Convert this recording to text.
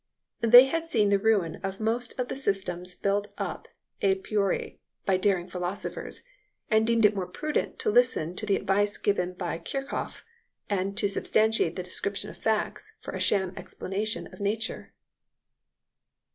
They had seen the ruin of most of the systems built up a priori by daring philosophers, and deemed it more prudent to listen to the advice given by Kirchhoff and "to substitute the description of facts for a sham explanation of nature."